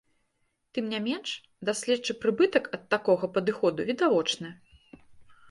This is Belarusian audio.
Тым не менш, даследчы прыбытак ад такога падыходу відавочны.